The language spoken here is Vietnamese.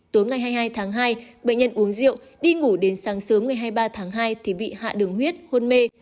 tối ngày hai mươi hai tháng hai bệnh nhân uống rượu đi ngủ đến sáng sớm ngày hai mươi ba tháng hai thì bị hạ đường huyết hôn mê